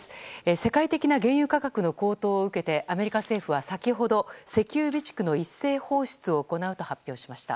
世界的な原油価格の高騰を受けてアメリカ政府は先ほど石油備蓄の一斉放出を行うと発表しました。